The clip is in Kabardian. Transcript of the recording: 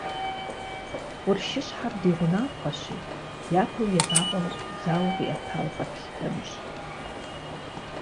Къуршыщхьэр ди гъунапкъэщи, япэу ебакъуэм зауэ къиӏэтауэ къэтлъытэнущ.